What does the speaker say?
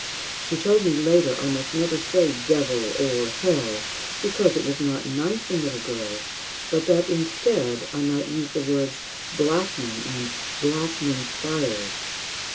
She told me, later, I must never say "devil," or "hell," because it was not nice in little girls, but that, instead, I might use the words, "blackman," and "blackman's fires."